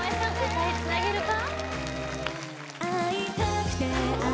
歌いつなげるか？